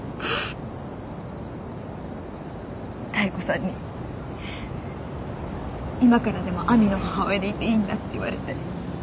妙子さんに今からでも亜美の母親でいていいんだって言われて。